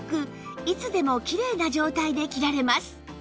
いつでもきれいな状態で着られます